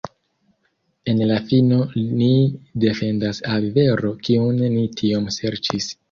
En la fino ni defendas al vero, kiun ni tiom serĉis.